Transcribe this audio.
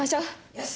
よし！